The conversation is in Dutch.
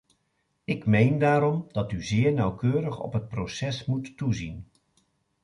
Ik meen daarom dat u zeer nauwkeurig op het proces moet toezien.